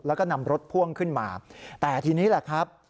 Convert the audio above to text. แล้วก็นำรถพ่วงขึ้นมาแต่ทีนี้แหละครับ